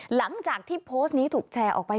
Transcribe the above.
หลังจากที่โพสต์นี้ถูกแชร์ออกไป